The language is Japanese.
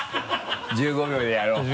１５秒でやろう。